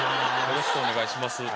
よろしくお願いします